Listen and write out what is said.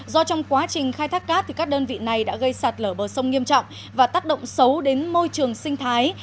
do trong quá trình khai thác cát các đơn vị này đã gây sạt lở bờ sông nghiêm trọng và tác động xấu đến môi trường sinh thái